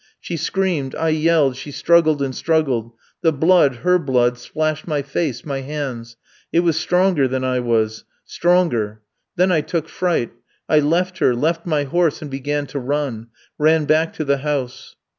She screamed; I yelled; she struggled and struggled. The blood her blood splashed my face, my hands. It was stronger than I was stronger. Then I took fright. I left her left my horse and began to run; ran back to the house.